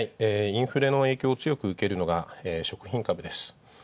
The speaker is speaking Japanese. インフレ影響を強く受けるのが食品株です。